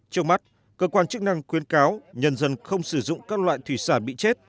trong mắt cơ quan chức năng khuyến cáo nhân dân không sử dụng các loại thủy sản bị chết